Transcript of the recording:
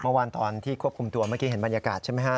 เมื่อวานตอนที่ควบคุมตัวเมื่อกี้เห็นบรรยากาศใช่ไหมฮะ